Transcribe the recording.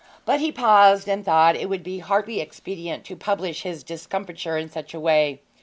But he paused, and thought it would be hardly expedient to publish his discomfiture in such a way.